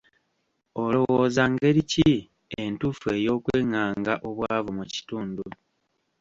Olowooza ngeri ki entuufu ey'okwengaanga obwavu mu kitundu?